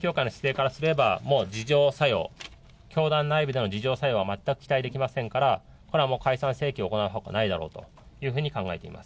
統一教会の姿勢からすれば、もう自浄作用、教団内部での自浄作用は全く期待できませんから、これは解散請求を行うほかないだろう